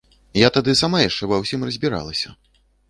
Я тады сама яшчэ ва ўсім разбіралася.